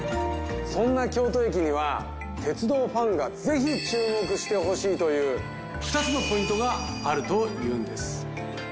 そんな京都駅には鉄道ファンがぜひ注目してほしいという２つのポイントがあるというんです。